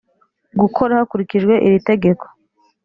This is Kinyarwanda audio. gukora hakurikijwe iri tegeko